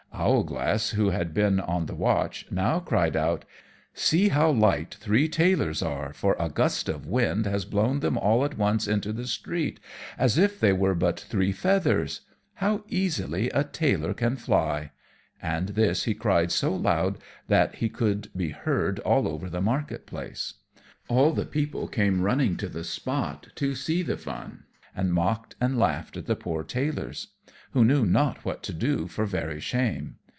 Owlglass, who had been on the watch, now cried out, "See how light three tailors are, for a gust of wind has blown them all at once into the street, as if they were but three feathers! How easily a tailor can fly!" And this he cried so loud that he could be heard all over the marketplace. All the people came running to the spot to see the fun, and mocked and laughed at the poor tailors, who knew not what to do for very shame.